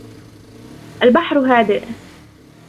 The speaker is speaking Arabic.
البحر هادئ.